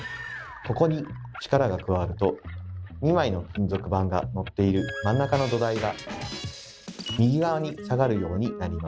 ここに力が加わると２枚の金属板がのっている真ん中の土台が右側に下がるようになります。